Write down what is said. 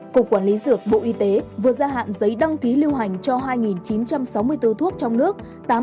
cục quản lý dược bộ y tế vừa ra hạn giấy đăng ký lưu hành cho hai chín trăm sáu mươi bốn thuốc trong nước